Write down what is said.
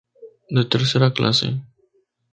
De Tercera clase.